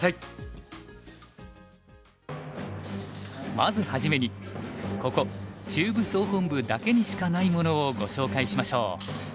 まず初めにここ中部総本部だけにしかないものをご紹介しましょう。